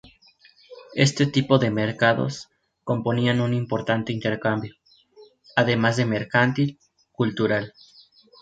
Este tipo de mercados componían un importante intercambio, además de mercantil, cultural.